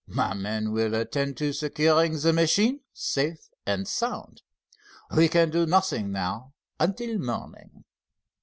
"My men will attend to securing the machine safe and sound. We can do nothing now until morning."